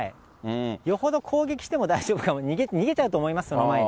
よほど攻撃しても大丈夫かと、逃げちゃうと思います、その前に。